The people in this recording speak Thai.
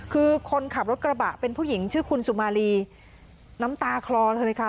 คือคนขับรถกระบะเป็นผู้หญิงชื่อคุณสุมารีน้ำตาคลอเลยค่ะ